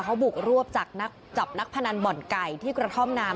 เขาบุกรวบจากนักจับนักพนันบ่อนไก่ที่กระท่อมนาม